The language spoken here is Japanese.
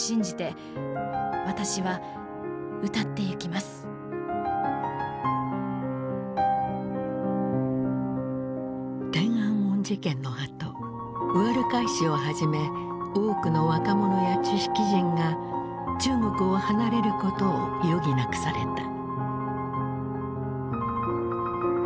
まだそういう天安門事件のあとウアルカイシをはじめ多くの若者や知識人が中国を離れることを余儀なくされた。